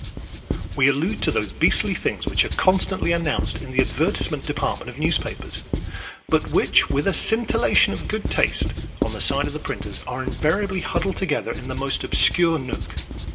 We allude to those beastly things which are constantly announced in the advertisement department of newspapers, but which, with a scintillation of good taste on the side of the printers, are invariably huddled together in the most obscure nook.